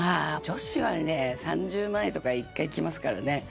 女子は３０前とか１回きますからね。